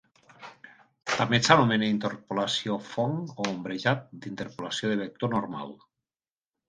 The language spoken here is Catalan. També s'anomena interpolació Phong o ombrejat d'interpolació de vector normal.